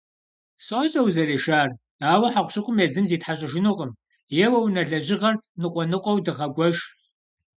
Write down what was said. Сощӏэ узэрешар, ауэ хьэкъущыкъум езым зитхьэщӏыжынукъым. Еуэ, унэ лэжьыгъэр ныкъуэ ныкъуэу дыгъэгуэш.